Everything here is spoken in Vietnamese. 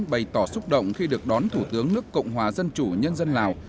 bày tỏ xúc động khi được đón thủ tướng nước cộng hòa dân chủ nhân dân lào